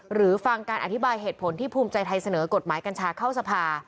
หรือฟังการอธิบายเหตุผลที่ภูมิใจไทยเสนอกฎหมายกัญชาเข้าสภา